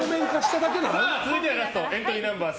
続いてラストエントリーナンバー３